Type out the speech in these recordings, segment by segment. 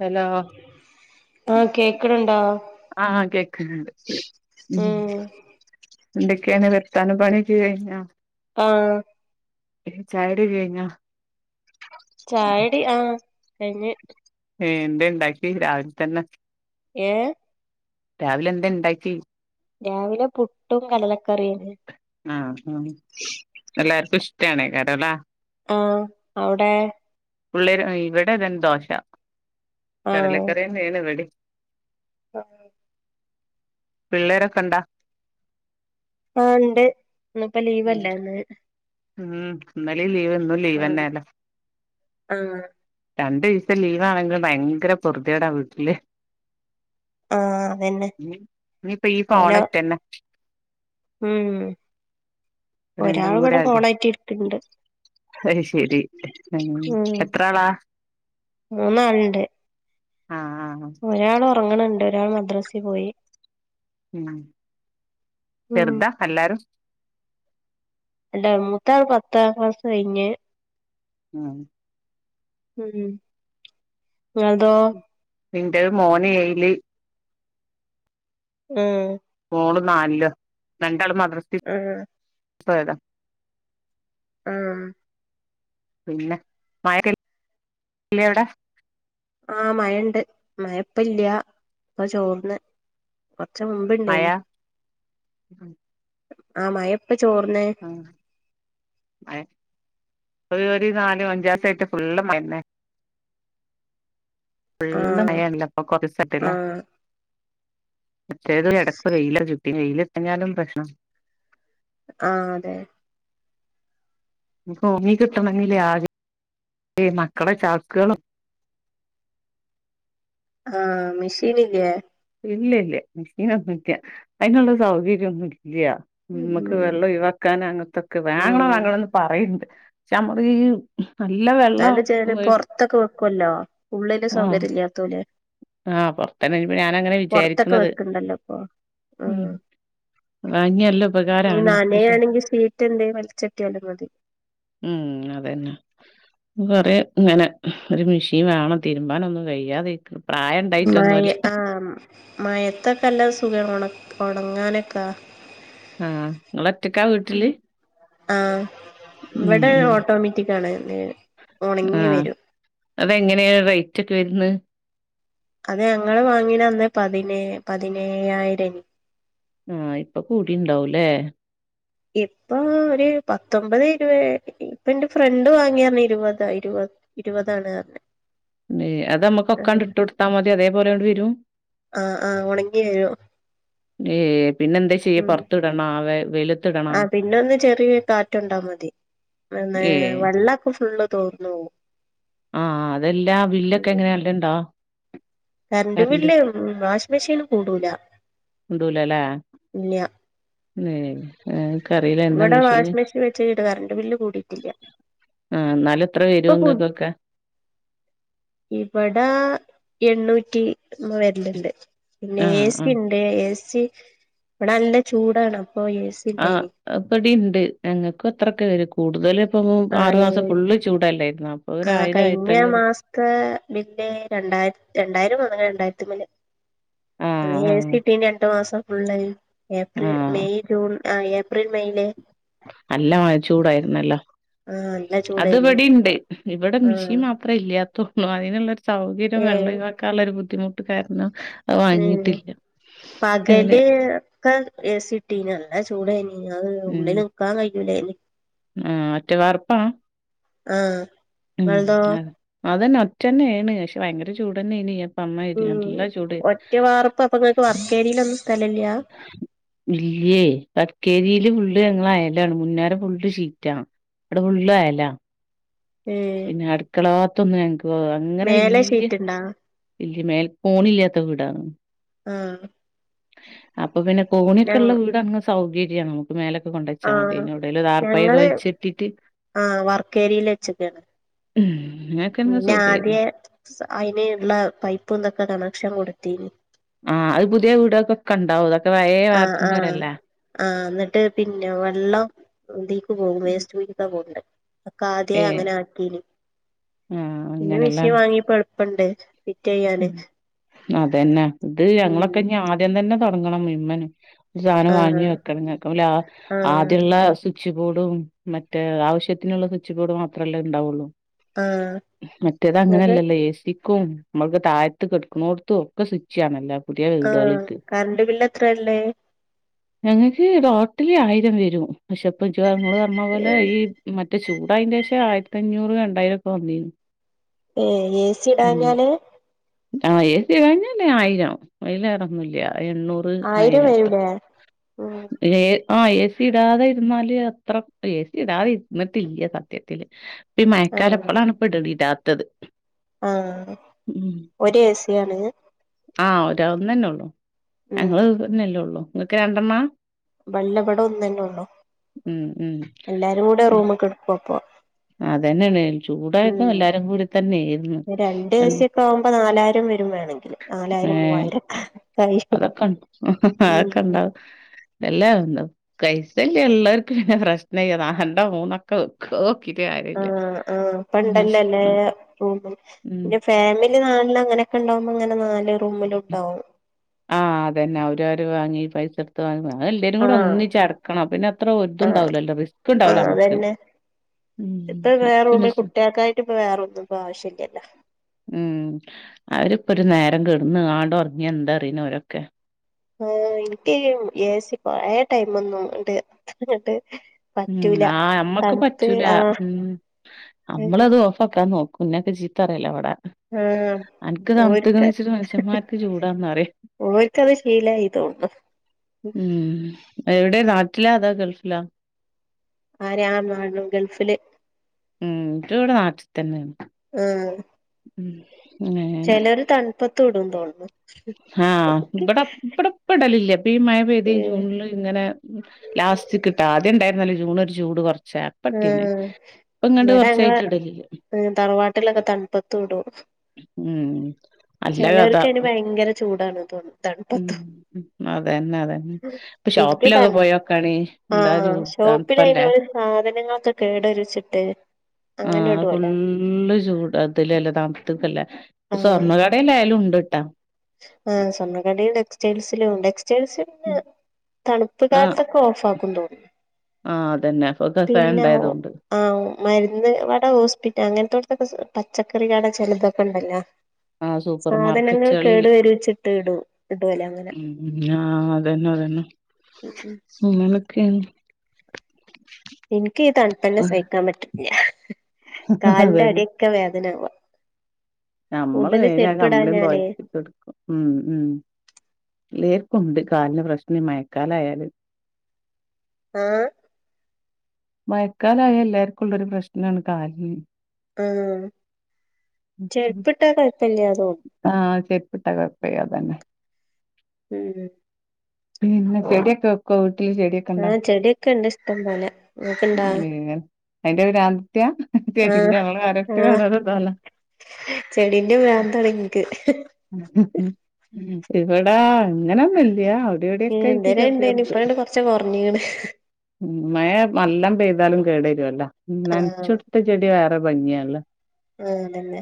Hello ആഹ് കേക്കണുണ്ടോ ആഹ് കേക്ക്ണ് ണ്ട്. ഉം എന്തൊക്കെയാണ് വർത്താനം പണിയൊക്കെകയ്യിഞ്ഞോ? ആഹ് ഏ ചായുടി ഒക്കെ കയ്യിഞ്ഞോ? ചായടി ആഹ് കയ്യ്ഞ്ഞ് ഏ, എന്തേണ്ടാക്കി രാവിൽ തന്നെ ഏ രാവിലെ എന്തെ ഇണ്ടാക്കി രാവിലെ പുട്ടും കടലക്കറിയും [unintelligible] ആഹ് ഉം എല്ലാർക്കും ഇഷ്ടാണേ കടല ആഹ് അവ്ടെ പിള്ളേര് ഇവിടെതന്നെ ദോശ കടലക്കറിന്നേണ് ഇവടിം. ആഹ് പിള്ളേരൊക്കെ ഇണ്ടോ? ആഹ് ഇണ്ട് ഇന്നിപ്പ ലീവ് അല്ലായ [unintelligible] ഉം ഇന്നലിം ലീവ് ഇന്നും ലീവ് ആഹ് തന്നെണല്ലോ ആഹ് രണ്ട് ദീസം ലീവ് ആണെങ്കിലും ഭയങ്കര പൊർതിയേടാ വീട്ടില് ആഹ് അതന്നെ ഉം ഇനി ഇപ്പ ഈ ഓലോ ഫോണേതന്നെ ഉം രണ്ടും ഒരാള് കൂടെ ഇവടെ അടി ഫോണായിട്ട് ഇർക്ക്ണ്ട്. അത് ശരി ഉം എത്ര ആളാ ആഹ് ആഹ് ഒരാള് ഒറങ്ങ്ണ് ണ്ട് ഒരാൾ മദ്രസിൽ പോയി. ഉം ഉം ചെർതാ എല്ലാരും എന്റ മൂത്താൾ പത്താം ക്ലാസ് കയ്യിഞ്ഞ് [unintelligible] മ് മ് ഇങ്ങൾതോ ഇന്റെ മോന് ഏയില് ഉം മോള് നാലോ രണ്ടാള് മദ്ര ആഹ് പ്പെവെര ആഹ് പിന്നെ മഴക്കല്ലേ അവിട ആഹ് മയൊണ്ട് മയപ്പല്ല്യ ഇപ്പൊ ചോർന്ന് കൊർച്ച് മഴ മുമ്പ്ണ്ടാനി ആ മഴപ്പം ചോർന്നേ അയ് ഒരു ഒരു നാലും അഞ്ചാസായിട്ട് ഫുള്ള് മയന്നെ ഫുള്ള് ആഹ് മയല്ലേ പ്പൊ കൊറേസായ്ട്ടില്ലേ ആഹ് മറ്റേത് ഇടക്ക് വെയില ചുറ്റി എയിലെതിരിഞ്ഞാലും പ്രശനാ ആഹ് അതെ ഓങ്ങി കിട്ടണെങ്കില്ലേ ആ ഈ മക്കളെ ചാക്ക്കളും ആഹ് മിഷീനില്ലേ ഇല്ല ഇല്ല മഷീനൊന്നുംല്ലാ അയ്നുള്ള സൗകര്യോന്നുംല്ല മ്മക്ക് ഉം വെള്ളം ഒഴിവാക്കാനാണ് തൊക്കെ വാങ്ങള ഉം വാങ്ങള പറയ്ണ്ട് ചെ നമ്മള് ഈ [unintelligible] നല്ല വെ ന്നാലു ചെലര് പൊർത്തൊക്കെ വെക്കുല്ലോ ഉള്ളില് ആഹ് സൗകര്യല്ലാതോല് ആഹ് പൊർത്തന്നെ ഇൻപ്പൊ ഞാനങ്ങനെ വിചാരിക്കുന്നത്. വെക്ക്ണ്ടല്ലോ ഇപ്പൊ ഉം വാങ്ങിയ നല്ല ഇനി ഉപകാരാണ് പക്ഷെ നനയാണെങ്കി ഷീറ്റ് എന്തേലും വലിച്ചിട്ടിയാലും മതി ഉം അതന്നെ കൊറേ ങ്ങനെ ഒരു മെഷീൻ വേണം തിരുമ്പാനൊന്നും കഴിയാതിരിക്കണു മയ ആഹ് മയത്തൊക്കെല്ലാ സുഖാ ഉണ ഉണങ്ങാനൊക്കാ ആഹ് നിങ്ങളൊറ്റക്കാ വീട്ടില് ആഹ് ഉം വ്ടെ ഉം ഓട്ടോമാറ്റിക്കാണ് ഉണങ്ങി ആഹ് വരും അതെങ്ങനെയാ റേറ്റ് ഒക്കെ വരുന്നത് അത് ഞങ്ങള് വാങ്ങീനന്ന് പതിനേ പതിനേയായിരന് ആഹ് ഇപ്പ കൂടിണ്ടാവൂല്ലേ ഇപ്പൊ ഒരു പത്തൊൻമ്പത് ഇരുപത് ഇപ്പ എന്റെ ഫ്രണ്ട് വാങ്ങിന്നർഞ്ഞ് ഇരുപതാ ഇരുപത് ഇരുപതാള് കേറണെ തേ അതമ്മക്കൊക്കാണ്ട് ഇട്ട് കൊടുത്താ മതി അതേപോലെണ്ട് വരും ആഹ് ആഹ് ഒണങ്ങി വരും ഏ പിന്നെന്താ ചെയ്യ ഉം പൊർത്തു ഇടണോ ആ വെയിലത്തിടാം ആഹ് പിന്നൊന്ന് ചെറിയ കാറ്റൊണ്ടാ മതി. ന്നെ ഏഹ് വെള്ളൊക്കെ ഫുള്ള് തോർന്നോകു ആഹ് അതെല്ലാ ബില്ലൊക്കെ ഉം എങ്ങനെയല്ലണ്ടോ കറണ്ട് ബില്ല് വാഷ് മെഷീൻല് കൂടൂല കൂടൂലലേ ഇല്യ ഏഹ് ഏഹ് ക്കറീല വടെ വാഷിംഗ് മെഷീൻ വെച്ചിട്ട് കരണ്ട് ബില്ല് കൂടിട്ടില്ല ആ എന്നാലു എത്ര വരും ഇങ്ങക്കൊക്കെ ഇവടാ എണ്ണൂറ്റി വെര്ലുണ്ട് പിന്നെ ആഹ് ഏ സി ആഹ് ണ്ട് ഏ സി വ്ട നല്ല ചൂടാണ് അപ്പൊ ഏ സി ആ ഇണ്ടായിനി പടിണ്ട് ഞങ്ങക്കു അത്രൊക്കെ വരും കൂടുതല് പ്പം ആ ആറു മാസം ഫുള്ള് ചൂടല്ലായിരുന്നൊ ആ കഴിഞ്ഞ മാസത്തെ ബില്ല് രണ്ടായിരം രണ്ടായിരം വന്ന രണ്ടായിരത്തി മേല് ആഹ് ഏ ആഹ് സി ഇട്ടിന് രണ്ടു മാസം ഫുള്ള് ഏപ്രിൽ ആഹ് മെയ് ജൂൺ ആ ഏപ്രിൽ മെയ്യില് നല്ല മഴ ചൂടായിരുന്നല്ലോ ആ നല്ല അത് ചൂടായിന് ഇവിടെ ഉണ്ട് ഇവിടെ ആ മിഷീൻ മാ അത്ര ഇല്ലാത്തള്ളൂ അതിനുള്ളൊരു സൗകര്യം ഏ വെള്ളം ഇതാക്കാനുള്ള ഒരു ബുദ്ധിമുട്ട് കാരണം അത് ഉം വാങ്ങിയിട്ടില്ല. അങ്ങനെ പകല് ഏ സി ഇട്ടിന് നല്ല ചൂടായിനി അത് ഉള്ളിൽ നിക്കാൻ കഴിയൂലായിന് ആ ഒറ്റ വാർപ്പാ ആഹ് ഉം അ അതന്നെ ഒറ്റന്നെ ആണ് പക്ഷെ ഭയങ്കര ചൂട് തന്നെ ആണ് സമയില്ലാ നല്ല ചൂട് വർക്ക്‌ ഏരിയൽ ഒന്നും സ്ഥലം ഇല്ല ഇല്ലേ വർക്ക്‌ ഏരിയൽ ഫുള്ള് ഞങ്ങള അയലാണ് മുന്നേരം ഫുള്ള് ഷീറ്റ് ആണ് അവിടെ ഫുള്ള് എല്ലാം ഉം അടുക്കളഭാഗത്തൊന്നും ഞങ്ങക്ക് പോ അങ്ങനെ മേലെ വല്യ ഷീറ്റ്ണ്ടാ ഇല്ല മേൽ കോണില്ലാത്ത വീടാണ് ആഹ് അപ്പൊ പിന്നെ ഞ കോണിയൊക്കെ ഉള്ള വീടാണ് സൗകര്യം മേലക്ക് കൊണ്ടെച്ചാ മതി ആഹ് എവിടേലും താർപ്പായൊക്കെ വലിച്ചു കെട്ടിട്ട് ആഹ്‌ വർക്കേരിയൽ വെച്ചക്കാണ് ഉം പിന്നെ ആദ്യ അയിന് ഉള്ള പൈപ്പ്ന്തൊക്കെ കണക്ഷൻ കൊടുത്തീന് ആഹ് അത് പുതിയ വീടൊക്കൊണ്ടാവു ആഹ് ആഹ് ആഹ് എന്നിട്ട് പിന്നെ വെള്ളം ഇതീക്ക് പോകും വേസ്റ്റ് കുഴിക്ക പോണ്ടെ അതക്ക ആദ്യ ഏഹ് അങ്ങനെ ആക്കീന് ആഹ് പിന്നെ അങ്ങനല്ലേ മിഷിയൻ വാങ്ങിപ്പോ എളുപ്പണ്ട് ഫിറ്റ്‌ ചെയ്യാന് അതന്നെ ഇത് ഞങ്ങളൊക്കെ ഇനി ആദ്യം തന്നെ തുടങ്ങണം മിമ്മന് സാധനം വാങ്ങി ആഹ് വെക്കണം ആഹ് ആദ്യമുള്ള സു സ്വിച്ച് ബോഡും മറ്റേ ആവശ്യത്തിനുള്ള സ്വിച്ച് ബോർഡ് മാത്രമല്ലേ ഉണ്ടാവുള്ളൂ ആഹ് മറ്റേത് ഇങ്ങക്ക് അങ്ങനെല്ലല്ലോ ഏ സിക്കും നമ്മൾക്ക് താഴത്ത് കെടുക്കണോടുത്തും ഒക്കെ സ്വിച്ച് ആണല്ലോ പുതിയ ആഹ് വീടുകൾക്ക് കറണ്ട് ബില്ല് എത്രയള്ളേ ഞങ്ങൾക്ക് ടോട്ടല് ആയിരം വരും പക്ഷെ ഇപ്പ നിങ്ങള് പറഞ്ഞ പോലെ ഈ മറ്റേ ചൂടായിന് ശേഷം ആയിരത്തി അഞ്ഞൂറും രണ്ടായിരം ഒക്കെ വന്നിനു ഏഹ് A C ഇടാഞ്ഞാല് ah A C ഇടാഞ്ഞു തന്നെ ആയിരം അതില് വേറെ ഒന്നും ഇല്ല എണ്ണൂറ് ആയിരം വരും ഇല്ലെ ആഹ് ഏ സി ഇടാതെ ഇരുന്നാല് അത്ര ഏ സി ഇടാതെ ഇരുന്നിട്ടില്ല സത്യത്തില് ഇ മയക്കാലം ആഹ് ഇപ്പളാണ് ഇപ്പ ഇടാത്തത് ആഹ് ഉം ഒരു ഏ സി ആണ് ആ ഒന്ന് തന്നെ ഉള്ളു ഉം ഞങ്ങള്ന്നല്ലേ ഉള്ളു നിങ്ങൾക്ക് രണ്ടെണ്ണ ഇല്ല ഇവിടെ ഒന്ന് തന്നെ ഉള്ളൂ ഉം. എല്ലാരും കൂടെ ഒരു റൂമി കെടക്കും അപ്പൊ അതന്നെയാണ് ചൂടായിരുന്നു ഉം എല്ലാരും കൂടി തന്നെയായിരുന്നു. രണ്ട് ഏ ഉം. സി ക്കെ ആവുമ്പോ നാലായിരം വരും വേണങ്കില് നാലായിരം മൂവായിരം ഒക്കെ അതൊക്കെ അതൊക്കെ ഉണ്ടാവും എല്ലാ ഒന്ന് പൈസ ഇള്ളോർക്ക് [unintelligible] പിന്നെ പ്രശ്നം ഇല്ല രണ്ടോ മൂന്നൊക്കെ വയ്ക്കാം നോക്കിട്ട് കാര്യല്ല റൂമും ഉം പിന്നെ ഫാമിലി നാലിൽ അങ്ങനെക്കെ ഇണ്ടാവുമ്പോ അങ്ങനെ നാല് റൂമിലുണ്ടാവും. ആഹ് അതന്നെ അവവര് വാങ്ങി പൈസ- [unintelligible] എല്ലാവരും കൂടെ ആഹ് ഒന്നിച്ചെടക്കണം പിന്നെ അത്ര ഒരു ആഹ് ഇതുണ്ടാവല്ലോല്ലോ റിസ്ക് ഇണ്ടാവൂല ആഹ് അമ്മക്ക്. അതന്നെ ഇപ്പൊ വേറെ റൂമി സു കുട്ടിയക്കായിട്ട് ഇപ്പ വേറൊന്നും ഇപ്പം ആവശ്യല്ല്യല്ല. ഉം അവരിപ്പോ ഒരു നേരം കിടന്ന്ങ്ങണ്ട് ഒറങ്ങി ന്താ അറീനവരൊക്കെ ആ എനിക്ക്ഈ എസി കൊറെ ടൈമൊ ന്നും ഇങ്ങട്ട് അതിങ്ങട്ട് ഉം ആ നമ്മക്ക് പറ്റൂല ഉ നമ്മളത് ഓഫാ ക്കാൻ നോക്കും കുഞ്ഞൊക്ക ചീത്താറല്ല ഇവിടെ ആ ഓര്ക്ക്, മനുഷ്യന്മാർക്ക് ചൂടാന്ന് പറയും ഓര്ക്കത് ശീലായി തോന്നുന്നു. ഉം എവിടെ നാട്ടിലാ അതാ ഗൾഫിലാ ആ ഞാ നാട് ഗൾഫില്. ഉം ഇട്ട ഇവിടെ നാട്ടിതന്നെണ്. ഉം ഉം അങ്ങനെ ചെലോര് തണുപത്ത് ഇടുന്നു തോന്നുന്നു. ആ വിട പ്പ ടപ്പടലില്ല്യ. പ്പ ഈ മയപെയ്തേശൊള്ള ഇങ്ങനെ ലാസ്റ്റ് കിട്ടാ ആദ്യം ഇണ്ടായിരുന്നല്ലോ ജൂണ് ഒരു ചൂട് കൊർച്ചെ ഉം ഇവിടെ ഞങ്ങളെ ഇടലില്ല ഉം തറവാട്ടിലൊക്കെ തണുപത്ത് ഇടു ഉം നല്ല കഥ ച്ചെലൊര്ക്ക് അതിന് ഭയങ്കര ചൂടാണ് തോന്നുണു ഉം അതന്നെ, അതന്നെ. ഇപ്പൊ എനിക്ക് ഷോപ്പിലൊക്കെ തണു പോയോക്കണി എന്താ ചൂ തണുപ്പല്ലേ. സാദനങ്ങക്കൊക്കെ ഇവിടരിച്ചിട്ട് ആ ഫുള്ള് ചൂട് അതിലല്ല താമത്തില്ല സ്വർണ്ണ- അലായാലും ഉണ്ട്ട്ടാ. ആ സ്വർണ്ണക്കടെ ടെക്സ്റ്റൈൽസിലുംണ്ട്. ടെക്സ്റ്റൈൽസി പിന്നെ തണുപ്പ് കാലത്തൊ ഓഫാക്കും തോന്നുന്നു. ആ അതന്നെ. ഇപ്പൊ കസായ പിന്നെ ങ്ങ് ഉണ്ടായതുകൊണ്ട് ആ മരുന്ന് വ്ട ഹോസ്പിറ്റ അങ്ങനത്തോക്ക പ്രശ് പച്ചക്കറി ക്കട ചെലതക്കണ്ടല്ലോ. ആഹ് സൂപ്പർ സാധനങ്ങൾ മാർക്കറ്റുകളിൽ കേടു വരുച്ചിട്ട് ഇടു ഇടുലെ അങ്ങന. ആ അതന്നെ, അതന്നെ. ഉം, ഉം. സുമനോക്കെന്ന് എനിക്ക് ഈ തണുപ്പന്നെ സഹിക്കാൻ പറ്റണില്ല കാലിന്റെ അതന്നെ അടിയൊക്കെ വേദനാവുവ. നമ്മള് വേഗം ആ കമ്പിളിയും ചെരുപ്പിടാഞ്ഞാലേ പൊതച്ച് ഇട്ടോടു ഉം, ഉം എലെർക്കുണ്ട് കാലിന് പ്രശ്നം മയക്കാലായാല്. ആ മയക്കാലായ എല്ലാവർക്കുംള്ളൊരു പ്രശ്നാണ് കാല്. ആ ചെരുപ്പിട്ടാ കുഴപ്പില്ല്യന്നൊ. ആഹ് ചെരിപ്പിട്ട കുഴപ്പില്ല അതന്നെ [unintelligible] പിന്നെ ചെടിയൊക്കെ ഒക്കെ വീട്ടില് ചെടി ആ ചെടിയൊക്കെ ഇണ്ട് ഇഷ്ടം പോല. നിങ്ങക്ക് ഇണ്ടാ? എന്റെ പേര് ആദിത്യ. ആഹ്, ആഹ് ചെടിന്റെ പ്രാന്താണെനിക്ക്. ഉം ഇവിടാ അങ്ങനൊന്നുല്ല്യ. ഏ ന്തേന ഇണ്ടേന്ന് ഇപ്പണ്ട് കൊറച്ച കുറഞ്ഞണ് ഉം മഴ മല്ലാം പെയ്താലും കേടരുല്ലോ ആഹ് നനച്ചുടുത്ത ചെടി വേറെ ഭംഗിയാല്ലെ ആ അതന്നെ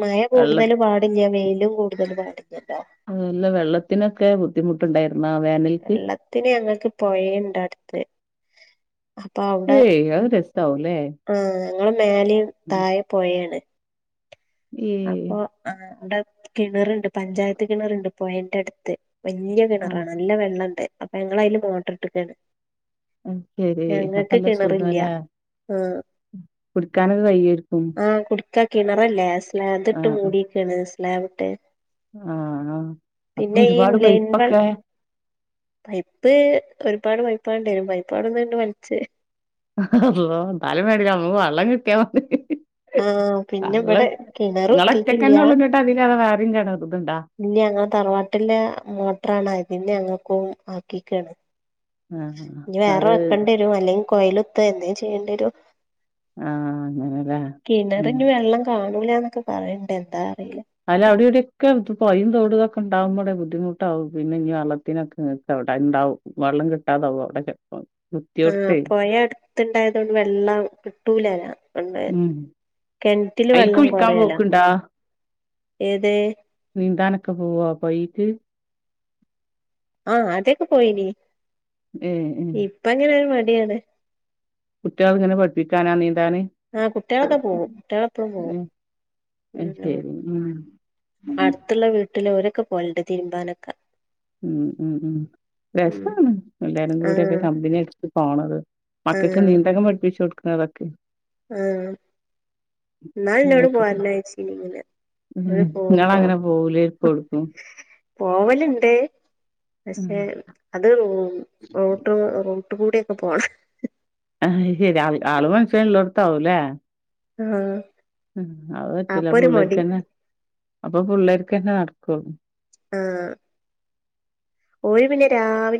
മയ വെള്ള കൂടുതൽ പാടില്ല. വെ യിലും കൂടുതൽ പാടില്ലല്ലോ. അത നല്ല വെള്ളത്തിനൊക്കെ ബുദ്ധിമുട്ടുണ്ടായിുന്ന ആ വോനൽക്ക് ത്തിന് ഞങ്ങൾക്ക് പോയേണ്ട് അടുത്ത് അപ്പൊ അവ്ടെ ഏയ് അത് രസാവൂലേ ആ ഞങ്ങള് മേലിം ഉം. താഴെ പുഴേണ്. ഏ ആഹ ഇവിടെ കിണറുണ്ട് പഞ്ചായത്ത് കിണറുണ്ട് പോയെന്റെ അടുത്ത് വലിയ ആ കിണറാണ് നല്ല വെള്ളംണ്ട് അപ്പൊ ഞങ്ങളതില് മോട്ടർടുക്കയാണ് അത് ശെരി അപ്പൊല്ല കിണറില്ല സുഗാലെ ആഹ് പുട്ക്കാനൊക്കെ കയ്യേര്ക്കും. ആഹ് കുടിക്കാ കിണറല്ലേ സ്ലാബ് ഇട്ട് മൂടക്കണ് സ്ലാബ് ഇട്ട് ആ ആ അപ്പൊ പിന്നെ ഈ ഒരുപാട് ലൈൻ വൾ പൈപ്പൊക്കെ പൈപ്പ് ഒരുപാട് പൈപ്പ് വേണ്ടിവരും പൈപ്പാടൊന്നണ്ട് വലിച്ച അള്ളോ ന്നാലും വേണ്ടില്ല നമ്മു വള്ളം കിട്ടിയാ മതി. ആഹ പിന്നെ ഇവിടെ കിണർ കുത്തിട്ടില്ല ഇ അതില അത് വേറെണ ഇതുണ്ടോ ഇന്നെ ഞങ്ങ തറവാട്ടിലെ മോട്ടറാണ് ആയിമിന്ന് ഞങ്ങൾക്കു ആക്കിക്കാണ് ആ ഇനി വേറെ അത് വെക്കേണ്ടി വരും അല്ലെങ്കിൽ കൊയിലുത്ത് എന്തേ ചെയ്യേണ്ടി വരും ആ അങ്ങനല്ലേ ഉം കിണറിന് വെള്ളം കാണൂല എന്നൊക്കെ പറയണ്ട് എന്താ അറിയില്ല അല്ല അവിടെ ഇവിടെക്കെ ത് പൊയിം തോടുതൊക്കെണ്ടാവുമ്പടെ ബുദ്ധിമുട്ടാവും പിന്നെഞ്ഞി വള്ളത്തിനൊക്കെടെ ഉണ്ടാവും. വെള്ളം കിട്ടാതാവോ അവിടെ [inaudible] ആഹ കുത്തിയോടത്തേ പുയ അടുത്തണ്ടായത് കൊണ്ട് വെള്ളം കിട്ടൂല്ലഅങ്ങനെ എന്തെ ഉം കിണറ്റില് അതിൽക്ക് വെള്ളം വിളിക്കാൻ കുറയാലോ പോക്കുണ്ടാ ഏത് നീന്താനക്ക പോവാ പോയയിൽ ആഹ അതൊക്കെ പോയിന് ഏ മ്മ് അപ്പൊ അങ്ങനെ ഒരു മടിയാണ് കുട്ട്യാള് ങ്ങനെ പഠിപ്പിക്കാനാ നീന്താന്. ആഹ കുട്ടികളക്കെ പോകവും കുട്ടികൾ എപ്പോഴും പോവും ഏ അത് ശരി ഉം അടുത്ത്ള്ള വീട്ടില്ഓരൊക്കെ പോലണ്ട് തിരുമ്പാനൊക്ക ഉം ഉം ഉം രസമാണ് എല്ലാരും കൂടിക്കെ ആഹ് കമ്പനി അടിച്ചു പോണത് മക്കൾക്ക് ആഹ് നീന്തകം പഠിപ്പിച് കൊടുക്കുന്നതൊക്കെ ആഹ് എന്നാല ഇന്നോട് പോവാറില്ലച്ചിങ്ങന മ്മ് നിങ്ങൾ അങ്ങനെ പോവുലപ്പ എടുക്കും പോവല്ണ്ട് പക്ഷെ അത് [unintelligible] കൂടൊക്കെ പോകണം ആ ശരി ആൾ മനുഷ്യൻല്ലോർത്താവൂലെ ആഹ് ഉം അത് പറ്റില്ല അപ്പൊ ഒരു മടി പുള്ളർക്ക്ന്നെ അപ്പൊ പിള്ളേർക്ക്ന്നെ നടക്കുവുള്ളൂ ആഹ്. കോഴി പിന്നെ രാവിൽ